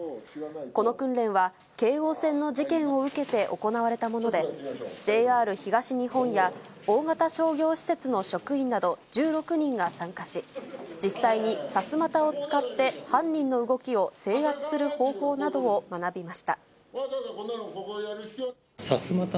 この訓練は、京王線の事件を受けて行われたもので、ＪＲ東日本や大型商業施設の職員など、１６人が参加し、実際に、さすまたを使って、犯人の動きを制圧する方法などを学びました。